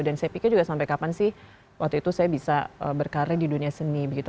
dan saya pikir juga sampai kapan sih waktu itu saya bisa berkarya di dunia seni begitu